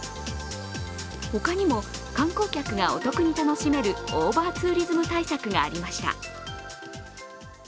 他にも、観光客がお得に楽しめるオーバーツーリズム対策がありました。